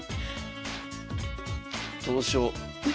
どうしよ。